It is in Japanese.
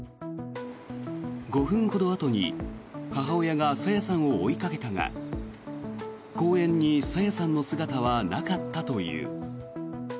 ５分ほどあとに母親が朝芽さんを追いかけたが公園に朝芽さんの姿はなかったという。